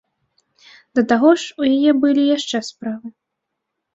Да таго ж, у яе былі яшчэ справы.